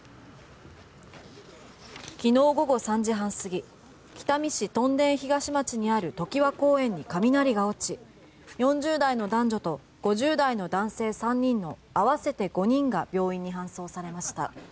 きのう午後３時半すぎ北見市とん田東町にある常盤公園に雷が落ち４０代の男女と５０代の男性３人の合わせて５人が病院に搬送されました。